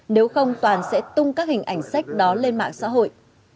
nếu không toàn sẽ tung các hình ảnh sách đó lên mạng xã hội